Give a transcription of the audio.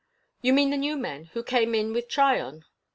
"You mean the new men, who came in with Tryon?"